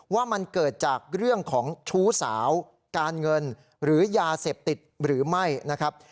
ว่ามันเกิดจากเรื่องของชู้สาวการเงินหรือยาเสพติดหรือไม่นะครับ